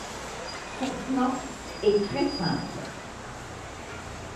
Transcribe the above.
Son plan est très simple.